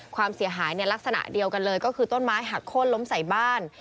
ความเสียหายในลักษณะเดียวกันเลยก็คือต้นไม้หักโค้นล้มใส่บ้าน